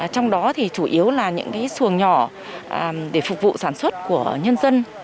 trong đó thì chủ yếu là những xuồng nhỏ để phục vụ sản xuất của nhân dân